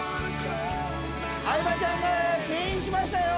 相葉ちゃんがけん引しましたよ。